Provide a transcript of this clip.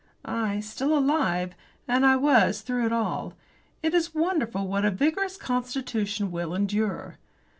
I still live, and I was through it all. It is wonderful what a vigorous constitution will endure.